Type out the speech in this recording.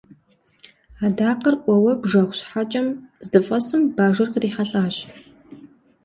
Адакъэр ӏуэуэ бжэгъу щхьэкӏэм здыфӏэсым, бажэр кърихьэлӏащ.